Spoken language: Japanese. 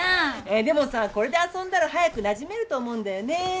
えっでもさこれで遊んだら早くなじめると思うんだよね。